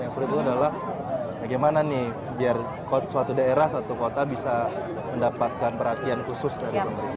yang sulit itu adalah bagaimana nih biar suatu daerah suatu kota bisa mendapatkan perhatian khusus dari pemerintah